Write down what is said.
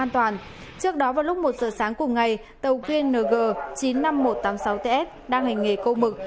trước đó vào lúc một giờ sáng cùng ngày tàu qng chín mươi năm nghìn một trăm tám mươi sáu ts đang hành nghề câu mực